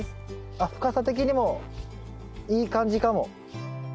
あっ深さ的にもいい感じかも。